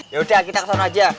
ya udah kita kesana aja